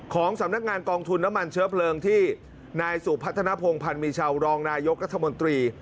ของสำนักงานกองทุนน้ำมันเชื้อเพลิงที่นายสุพัฒนภงพันธ์มีชาวรองนายกรัฐมนตรี